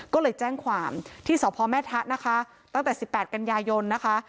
ก็เลยแจ้งความที่สพแม่ทะนะคะตั้งแต่๑๘กันยายนนะคะ